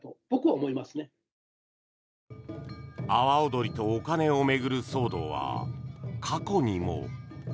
阿波おどりとお金を巡る騒動は過去にも。